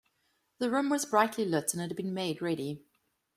This room was brightly lit; and it had been made ready.